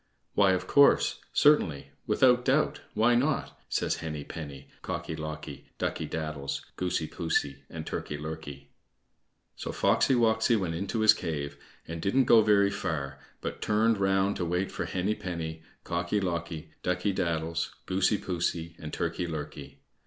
"Why, of course, certainly, without doubt, why not?" says Henny penny, Cocky locky, Ducky daddles, Goosey poosey, and Turkey lurkey. So Foxy woxy went into his cave, and he didn't go very far, but turned round to wait for Henny penny, Cocky locky, Ducky daddles, Goosey poosey, and Turkey lurkey.